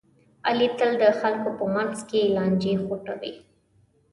علي تل د خلکو په منځ کې لانجې خوټوي.